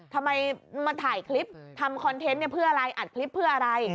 ทำไมมาถ่ายคลิปทำคอนเทนต์เพื่ออะไรอัดคลิปเพื่ออะไร